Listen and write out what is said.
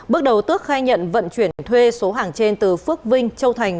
bước đầu tước khai nhận vận chuyển thuê số hàng trên từ phước vinh châu thành